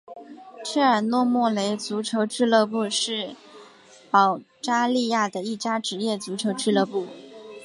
切尔诺莫雷足球俱乐部是保加利亚的一家职业足球俱乐部。